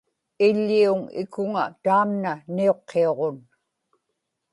iḷḷiuŋ ikuŋa taamna niuqqiuġun